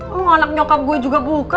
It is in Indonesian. oh anak nyokap gue juga buka